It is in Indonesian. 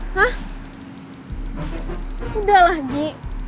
hah udah lah di